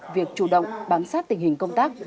việc chủ động bám sát tình hình công tác